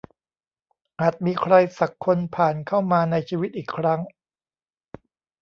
อาจมีใครสักคนผ่านเข้ามาในชีวิตอีกครั้ง